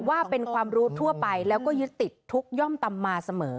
ว่าเป็นความรู้ทั่วไปแล้วก็ยึดติดทุกข์ย่อมตำมาเสมอ